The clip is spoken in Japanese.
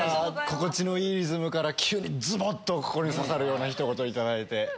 心地のいいリズムから急にズボっと心に刺さるようなひと言頂いて。